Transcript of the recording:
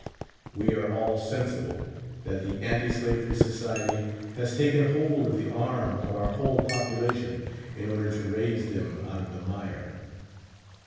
We are all sensible that the Anti Slavery Society* has taken hold of the arm of our whole population, in order to raise them out of the mire.